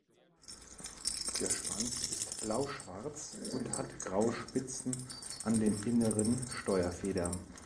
Der Schwanz ist blauschwarz und hat graue Spitzen an den inneren Steuerfedern.